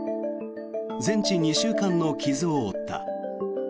全治２週間の傷を負った。